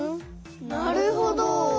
なるほど！